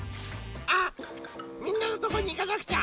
あっみんなのとこにいかなくちゃ！